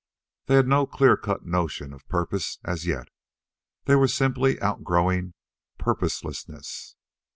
They had no clear cut notion of purpose as yet. They were simply outgrowing purposelessness.